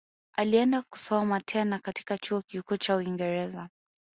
Alienda kusoma tena katika chuo kikuu cha uingereza